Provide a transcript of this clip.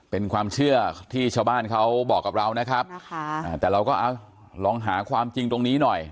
เป็นความเชื่อที่ชาวบ้านเขาบอกกับเรานะครับแต่เราก็เอาลองหาความจริงตรงนี้หน่อย